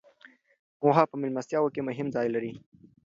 غوښه په میلمستیاوو کې مهم ځای لري.